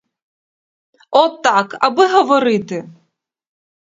От так, аби говорити.